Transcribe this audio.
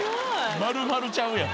・丸々ちゃうやん。